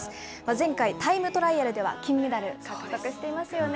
前回、タイムトライアルでは、金メダル、獲得していますよね。